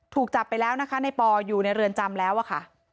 ถูกจับไปแล้วนะคะในปออยู่ในเรือนจำแล้วอะค่ะ